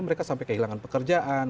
mereka sampai kehilangan pekerjaan